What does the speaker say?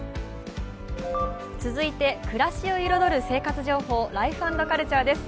続いて、暮らしを彩る生活情報「ライフ＆カルチャー」です。